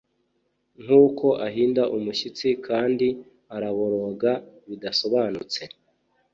Nkuko ahinda umushyitsi kandi araboroga bidasobanutse